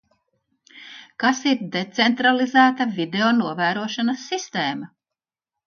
Kas ir decentralizēta videonovērošanas sistēma?